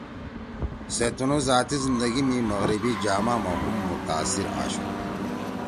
سےتنُو ذاتی زندگی می مغربی جاما ما ہُم متاثر آشُو